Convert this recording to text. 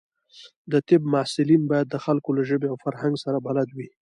د طب محصلین باید د خلکو له ژبې او فرهنګ سره بلد وي.